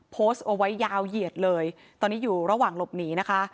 โพสต์เอาไว้ยาวเหยียดเลยตอนนี้อยู่ระหว่างหลบหนีนะคะ